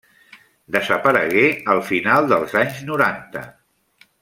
Desaparegué al final dels anys noranta.